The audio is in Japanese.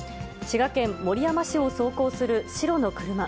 滋賀県守山市を走行する白の車。